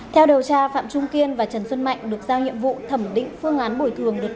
theo điều tra phạm trung kiên và trần xuân mạnh được giao nhiệm vụ thẩm định phương án bồi thường đợt ba mươi một